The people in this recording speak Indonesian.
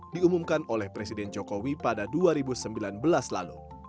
diumumkan oleh presiden jokowi pada dua ribu sembilan belas lalu